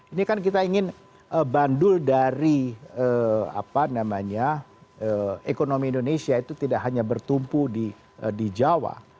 ini kan kita ingin bandul dari ekonomi indonesia itu tidak hanya bertumpu di jawa